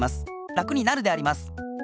楽になるであります。